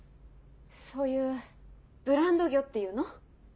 そういうブランド魚っていうの？